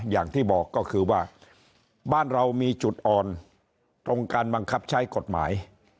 อย่างที่บอกก็คือว่าบ้านเรามีจุดอ่อนตรงการบังคับใช้กฎหมาย